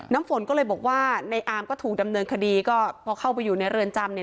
น้ำฝนก็เลยบอกว่าในอาร์มก็ถูกดำเนินคดีก็พอเข้าไปอยู่ในเรือนจำเนี่ย